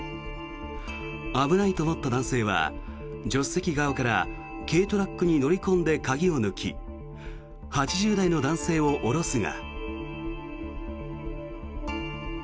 危ないと思った男性は助手席側から軽トラックに乗り込んで鍵を抜き８０代の男性を降ろすが。